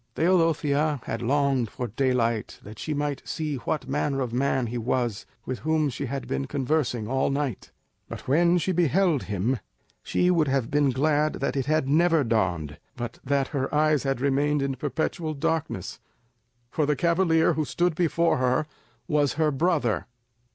Teodosia had longed for daylight that she might see what manner of man he was with whom she had been conversing all night; but when she beheld him, she would have been glad that it had never dawned, but that her eyes had remained in perpetual darkness, for the cavalier who stood before her was her brother!